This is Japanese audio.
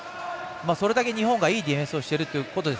それだけ日本がいいディフェンスをしてるということです。